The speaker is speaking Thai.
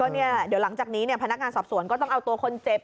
เดี๋ยวหลังจากนี้พนักงานสอบสวนก็ต้องเอาตัวคนเจ็บ